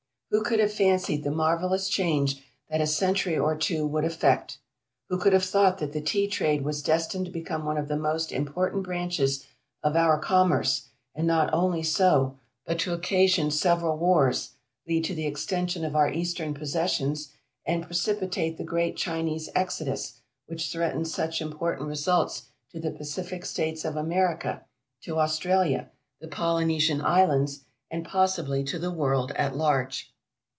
Who could have fancied the marvellous change that a century or two would effect? Who could have thought that the Tea trade was destined to become one of the most important branches of our commerce, and not only so, but to occasion several wars, lead to the extension of our Eastern possessions, and precipitate the great Chinese exodus, which threatens such important results to the Pacific States of America, to Australia, the Polynesian Islands, and possibly to the world at large?